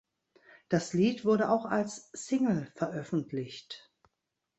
Das Lied wurde auch als Single veröffentlicht.